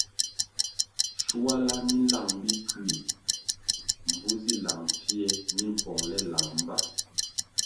Shuala mi nlang Bikui mbvu zi lang pfie mimpongʼle lang mba.